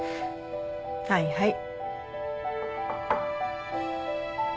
はいはい。